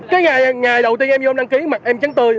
cái ngày đầu tiên em vô đăng ký mặt em trắng tươi